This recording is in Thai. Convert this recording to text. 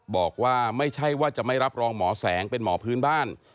บอกว่าไม่ใช่ว่าจะไม่รับรองหมอแสงเป็นหมอพื้นบ้าน